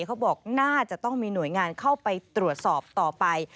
เขาบอกน่าจะต้องมีหน่วยงานเข้าไปตรวจสอบต่อไป